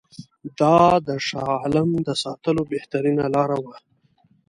دا د شاه عالم د ساتلو بهترینه لاره وه.